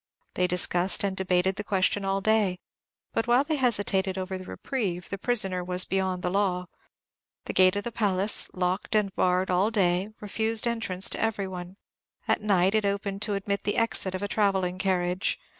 They discussed and debated the question all day; but while they hesitated over the reprieve, the prisoner was beyond the law. The gate of the palace, locked and barred all day, refused entrance to every one; at night, it opened to admit the exit of a travelling carriage.